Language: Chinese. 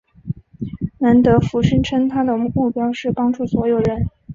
兰德福声称他的目标是帮助所有人。